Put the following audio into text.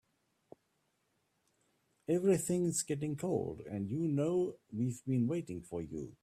Everything's getting cold and you know we've been waiting for you.